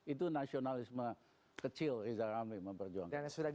itu nasionalisme kecil rizal ramli memperjuangkan